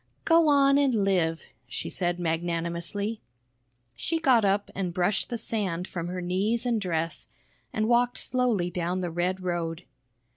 "Go on an' live," she said magnanimously. She got up and brushed the sand from her knees and dress, and walked slowly down the red road.